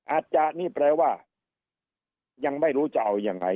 อาจจะนี่แปลว่ายังไม่รู้จะเอายังไง